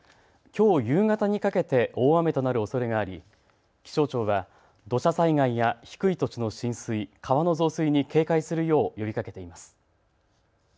きょう夕方にかけて大雨となるおそれがあり気象庁は土砂災害や低い土地の浸水、川の増水に警戒するよう呼びかけています。